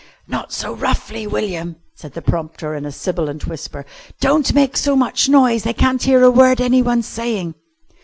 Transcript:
"Not so roughly, William!" said the prompter in a sibilant whisper. "Don't make so much noise. They can't hear a word anyone's saying."